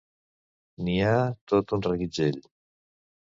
N'hi ha tot un reguitzell.